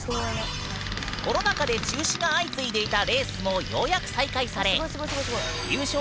コロナ禍で中止が相次いでいたレースもようやく再開され優勝